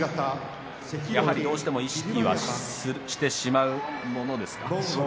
どうしても意識はしてしまうものですか。